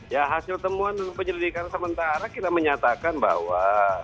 ya hasil temuan penyelidikan sementara kita menyatakan bahwa